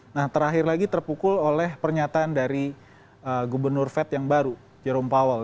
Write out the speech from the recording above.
nah terakhir lagi terpukul oleh pernyataan dari gubernur fed yang baru jerome powell